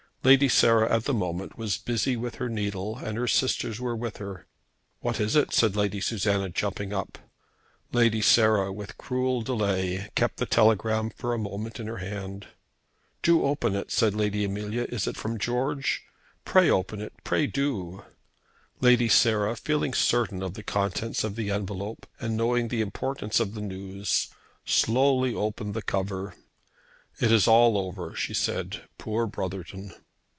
Lady Sarah, at the moment, was busy with her needle, and her sisters were with her. "What is it?" said Lady Susanna, jumping up. Lady Sarah, with cruel delay, kept the telegram for a moment in her hand. "Do open it," said Lady Amelia; "is it from George? Pray open it; pray do!" Lady Sarah, feeling certain of the contents of the envelope, and knowing the importance of the news, slowly opened the cover. "It is all over," she said, "Poor Brotherton!"